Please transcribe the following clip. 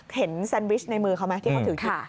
แซนวิชในมือเขาไหมที่เขาถือถี่